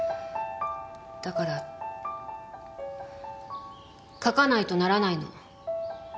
だから描かないとならないの。